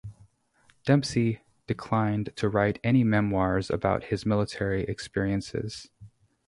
Dempsey declined to write any memoirs about his military experiences.